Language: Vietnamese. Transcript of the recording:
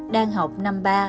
đang học năm ba